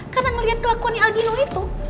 karena ngeliat kelakuannya algino itu